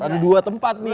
ada dua tempat nih sekaligus